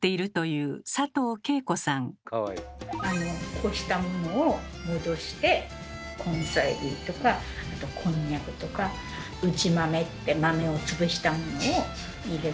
干したものを戻して根菜類とかあとこんにゃくとか打ち豆って豆を潰したものを入れるんですね。